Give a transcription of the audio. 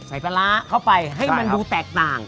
ปลาร้าเข้าไปให้มันดูแตกต่าง